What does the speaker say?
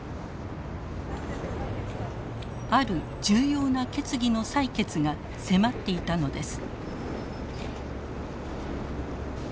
ある重要な決議の採決が迫っていたのです。